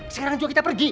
sekarang juga kita pergi